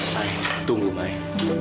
mai tunggu mai